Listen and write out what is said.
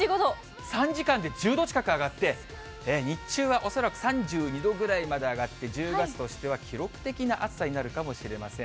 ３時間で１０度近く上がって、日中は恐らく３２度ぐらいまで上がって、１０月としては記録的な暑さになるかもしれません。